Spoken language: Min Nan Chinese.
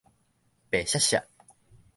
白鑠鑠